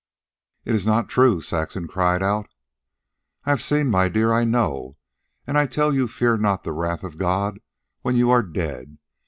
"It is not true!" Saxon cried out. "I have seen, my dear, I know. And I tell you fear not the wrath of God when you are dead.